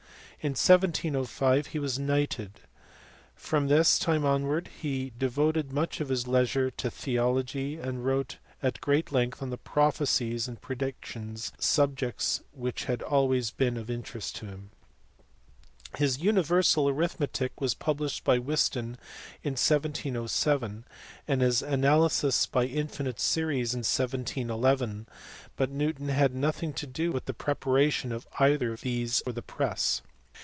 In 1705 he was knighted. From this time onwards he devoted much of his leisure to theology, and wrote at great length on prophecies and predictions, subjects which had always been of interest to him. His Universal Arithmetic was pub lished by Whiston in 1707, and his Analysis by Infinite Series in 1711 ; but Newton had nothing to do with the preparation of either of these for the press.